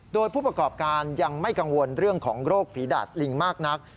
โดยผู้ประกอบการยังไม่กังวลเรื่องของโรคผีดาดลิงมากนัก